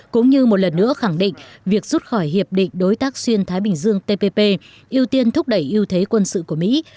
cũng như một lần nữa khẳng định việc rút khỏi hiệp định đối tác xuyên thái bình dương tppp ưu tiên thúc đẩy ưu thế quân sự của mỹ